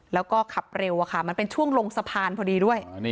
แล้วก็ขับเร็วมันเป็นช่วงลงสะพานพอดีด้วย